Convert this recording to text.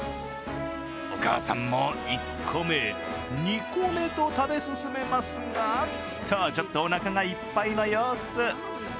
お母さんも１個目、２個目と食べ進めますがちょっとおなかがいっぱいの様子。